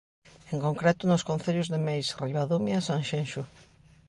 En concreto nos concellos de Meis, Ribadumia e Sanxenxo.